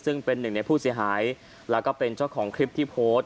ซึ่งเป็นหนึ่งในผู้เสียหายแล้วก็เป็นเจ้าของคลิปที่โพสต์